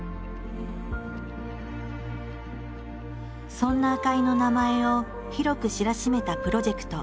そんな赤井の名前を広く知らしめたプロジェクト。